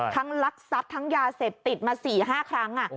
ทั้งรักษัพทั้งยาเสร็จติดมา๔๕ครั้ง